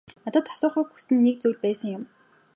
Надад асуухыг хүссэн нэг зүйл байсан юм.